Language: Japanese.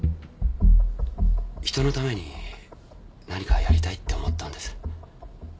人のために何かやりたいって思ったんです。